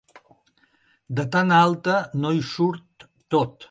De tan alta no hi surt tot.